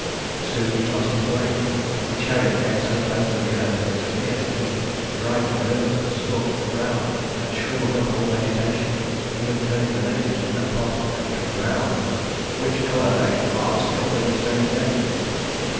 Soon he lost his way and the chariot came so close to the earth that its fierce heat dried up the rivers and scorched the ground and shriveled up all vegetation, even turning the natives in that part of the country brown, which color they are still to this very day.